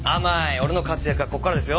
俺の活躍はここからですよ！